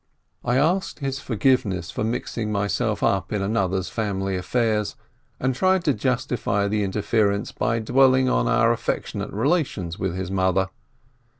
I asked his forgiveness for mixing myself up in another's family affairs, and tried to justify the interference by dwelling on our affectionate relations with his mother.